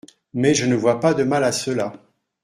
Mais je ne vois pas de mal à cela…